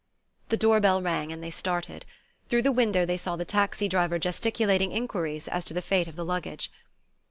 The door bell rang, and they started. Through the window they saw the taxi driver gesticulating enquiries as to the fate of the luggage.